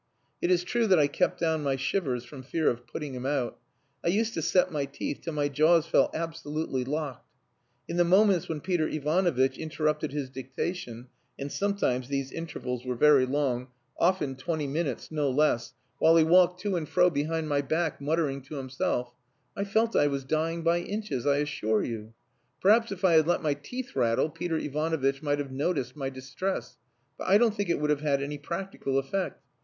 It is true that I kept down my shivers from fear of putting him out. I used to set my teeth till my jaws felt absolutely locked. In the moments when Peter Ivanovitch interrupted his dictation, and sometimes these intervals were very long often twenty minutes, no less, while he walked to and fro behind my back muttering to himself I felt I was dying by inches, I assure you. Perhaps if I had let my teeth rattle Peter Ivanovitch might have noticed my distress, but I don't think it would have had any practical effect.